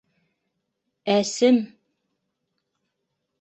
Әсем!